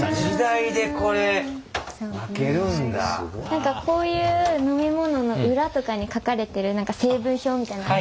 何かこういう飲み物の裏とかに書かれてる何か成分表みたいなの。